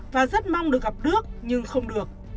và rất mong được gặp đức nhưng không được